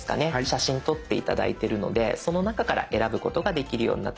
写真撮って頂いてるのでその中から選ぶことができるようになっています。